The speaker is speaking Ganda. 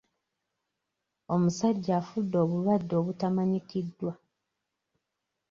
Omusajja afudde obulwadde obutamanyikiddwa.